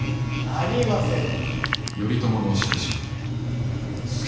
なりませぬ。